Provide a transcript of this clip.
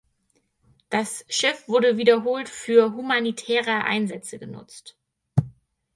Das Schiff wurde wiederholt für humanitärer Einsätze genutzt.